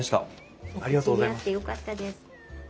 お口に合ってよかったです。